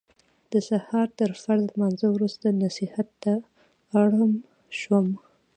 د سهار تر فرض لمانځه وروسته نصیحت ته اړم شو.